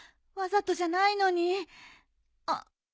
わざとじゃないのにあっ！